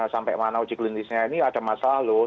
sampai mana uji klinisnya ini ada masalah loh